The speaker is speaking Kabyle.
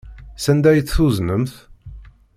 Sanda ay t-tuznemt?